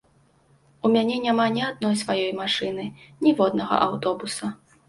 У мяне няма ні адной сваёй машыны, ніводнага аўтобуса.